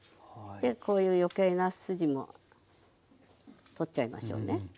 でこういう余計な筋も取っちゃいましょうね。